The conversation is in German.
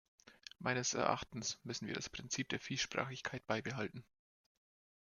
Meines Erachtens müssen wir das Prinzip der Vielsprachigkeit beibehalten.